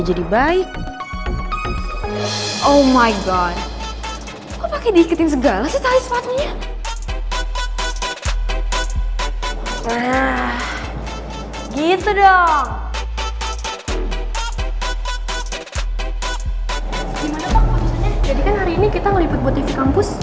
jadi kan hari ini kita ngeliput buat tv kampus